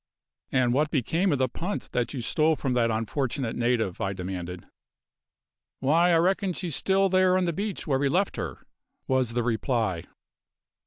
"And what became of the punt that you stole from that unfortunate native?" I demanded. "Why, I reckon she's still there on the beach where we left her," was the reply.